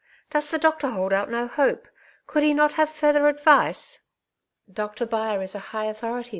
Does the doctor hold out no hope ? Could he not have further advice ?"'^ Doctor Byre is a high authority.